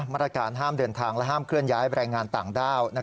มาตรการห้ามเดินทางและห้ามเคลื่อนย้ายแรงงานต่างด้าว